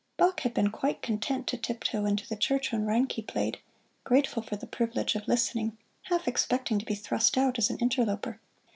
Bach had been quite content to tiptoe into the church when Reinke played, grateful for the privilege of listening, half expecting to be thrust out as an interloper.